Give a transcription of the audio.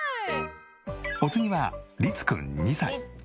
お次はりつくん２歳。